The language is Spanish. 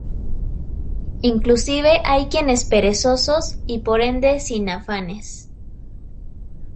Inclusive hay quienes perezosos, y por ende sin afanes